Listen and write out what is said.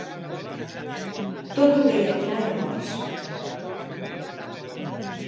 Tot ho veia clar llavors